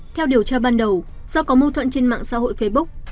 theo điều tra ban đầu do có mâu thuẫn trên mạng xã hội facebook